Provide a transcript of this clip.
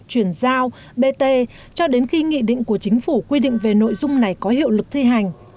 chuyển giao bt cho đến khi nghị định của chính phủ quy định về nội dung này có hiệu lực thi hành